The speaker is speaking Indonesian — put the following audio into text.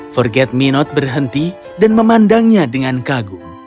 forget me not berhenti dan memandangnya dengan kagum